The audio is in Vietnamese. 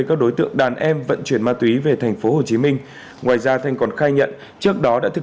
các đối tượng đàn em vận chuyển ma túy về tp hcm ngoài ra thanh còn khai nhận trước đó đã thực